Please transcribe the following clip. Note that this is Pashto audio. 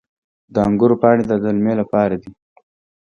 د انګورو پاڼې د دلمې لپاره دي.